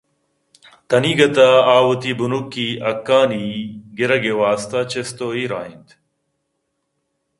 تنیگت ءَآوتی بنکی حقانی گرگ ءِ واستہ چست ءُایر ءَ اِنت